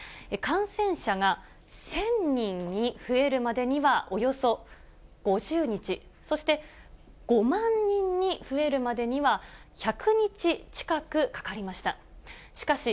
感染者が１０００人に増えるまでには、およそ５０日、そして５万人に増えるまでには、１００日近くかかりました。